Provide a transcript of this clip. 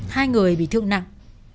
hai người bị thương nặng